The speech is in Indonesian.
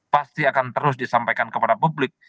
pasti akan terus disampaikan kepada publik